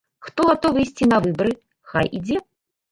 Хто гатовы ісці на выбары, хай ідзе.